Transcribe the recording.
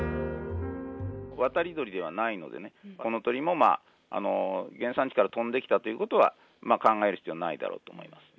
渡り鳥ではないのでね、この鳥も原産地から飛んできたということは考える必要はないだろうと思いますね。